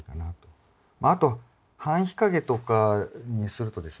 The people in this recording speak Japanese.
あと半日陰とかにするとですね